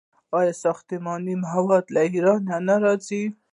آیا ساختماني مواد له ایران نه راځي؟